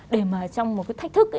để mà trong một cái thách thức